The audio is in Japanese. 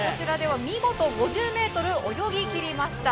見事、５０ｍ泳ぎ切りました。